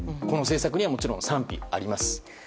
この政策にはもちろん賛否があります。